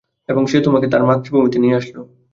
এবং সে তোমাকে তার মাতৃভূমিতে নিয়ে আসলো।